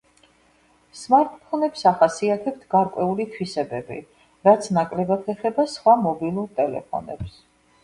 სმარტფონებს ახასიათებთ გარკვეული თვისებები, რაც ნაკლებად ეხება სხვა მობილურ ტელეფონებს.